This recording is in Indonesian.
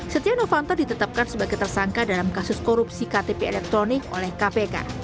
setia novanto ditetapkan sebagai tersangka dalam kasus korupsi ktp elektronik oleh kpk